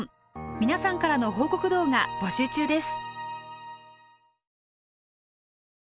皆さんからの報告動画募集中です。